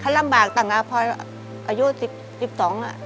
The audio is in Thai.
เขาลำบากต่างแล้วพออายุ๑๒อะ